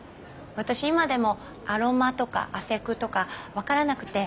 私今でもアロマとかアセクとか分からなくて。